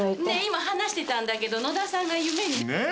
ねえ今話してたんだけど野田さんが夢にね。